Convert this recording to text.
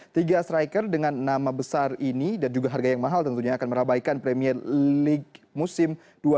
tiga striker dengan nama besar ini dan juga harga yang mahal tentunya akan merabaikan premier league musim dua ribu dua puluh dua